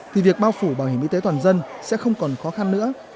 thì việc bao phủ bảo hiểm y tế toàn dân sẽ không còn khó khăn nữa